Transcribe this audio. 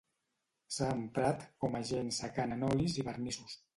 S'ha emprat com agent secant en olis i vernissos.